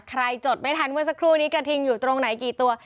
จดไม่ทันเมื่อสักครู่นี้กระทิงอยู่ตรงไหนกี่ตัว